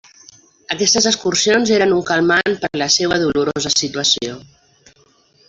Aquestes excursions eren un calmant per a la seua dolorosa situació.